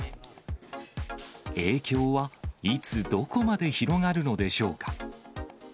影響はいつ、どこまで広がるのでしょうか。